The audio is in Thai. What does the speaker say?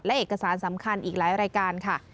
และเอกสารสำคัญอีกหลายรายการค่ะ